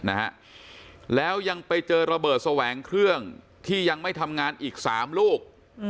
นะฮะแล้วยังไปเจอระเบิดแสวงเครื่องที่ยังไม่ทำงานอีกสามลูก